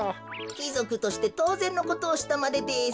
きぞくとしてとうぜんのことをしたまでです。